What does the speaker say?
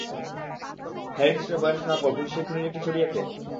হারড্যাস্টির বয়ান শোনার পর, পুলিশ সেই খুনির একটা ছবি আঁকে।